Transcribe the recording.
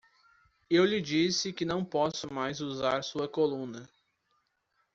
Eu lhe disse que não posso mais usar sua coluna.